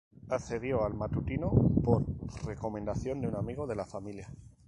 Accedió al matutino por recomendación de un amigo de la familia.